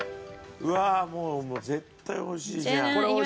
うわっもうもう絶対美味しいじゃん。